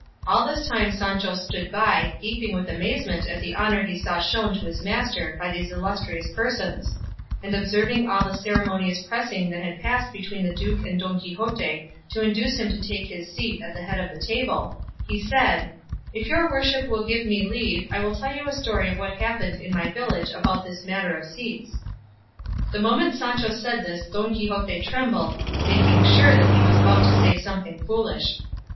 All this time Sancho stood by, gaping with amazement at the honour he saw shown to his master by these illustrious persons; and observing all the ceremonious pressing that had passed between the duke and Don Quixote to induce him to take his seat at the head of the table, he said, "If your worship will give me leave I will tell you a story of what happened in my village about this matter of seats." The moment Sancho said this Don Quixote trembled, making sure that he was about to say something foolish.